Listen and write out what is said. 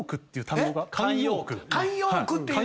慣用句っていうのを。